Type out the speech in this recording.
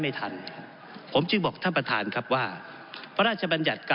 ผมอภิปรายเรื่องการขยายสมภาษณ์รถไฟฟ้าสายสีเขียวนะครับ